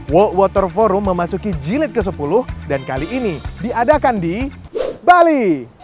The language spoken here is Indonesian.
walk water forum memasuki jilid ke sepuluh dan kali ini diadakan di bali